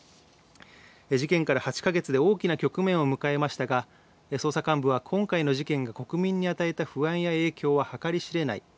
事件から８か月で大きな局面を迎えましたが捜査幹部は今回の事件が国民に与えた不安や影響は計り知れない。